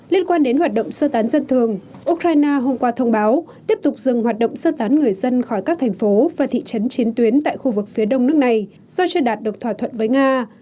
liên quan đến hoạt động sơ tán dân thường ukraine hôm qua thông báo tiếp tục dừng hoạt động sơ tán người dân khỏi các thành phố và thị trấn chiến tuyến tại khu vực phía đông nước này do chưa đạt được thỏa thuận với nga